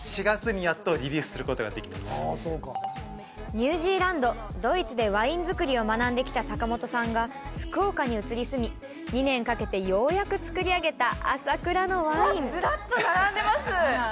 ニュージーランド・ドイツでワイン造りを学んできた阪本さんが福岡に移り住み２年かけてようやく造り上げた朝倉のワインうわっずらっと並んでます